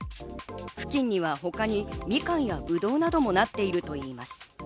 付近には他にミカンやブドウなどもなっているといいます。